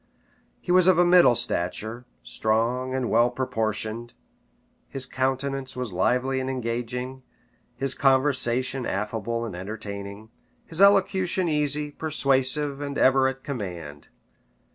He was of a middle stature, strong and well proportioned; his countenance was lively and engaging; his conversation affable and entertaining; his elocution easy, persuasive, and ever at command.